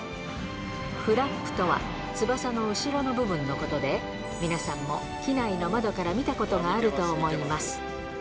フラップとは、翼の後ろの部分のことで、皆さんも機内の窓から見たことがあると思います。